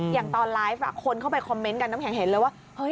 อย่างตอนไลฟ์คนเข้าไปคอมเมนต์กันน้ำแข็งเห็นเลยว่า